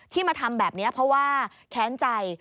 มาทำแบบนี้เพราะว่าแค้นใจ